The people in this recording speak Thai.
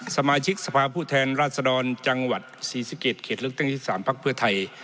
สมาชิกสภาผู้แทนราชดรจังหวัดสี่สิบเก็ตเขตเลือกเต้นที่สามภักดิ์เพื่อไทย